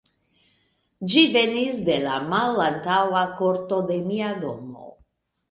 Ĝi venis de la malantaŭa korto, de mia domo.